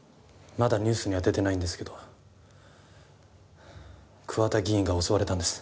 まだニュースには出てないんですけど桑田議員が襲われたんです。